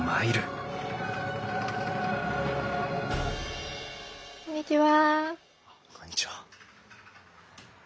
あっこんにちは。